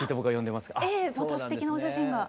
またすてきなお写真が。